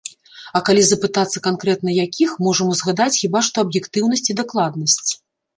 А калі запытацца канкрэтна якіх, можам узгадаць хіба што аб'ектыўнасць і дакладнасць.